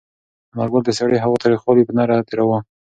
انارګل د سړې هوا تریخوالی په نره تېراوه.